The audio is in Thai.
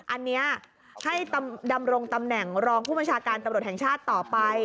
อันนี้ให้ดำรงตำแหน่งรองผู้บัญชาการตำรวจแห่งชาติต่อไป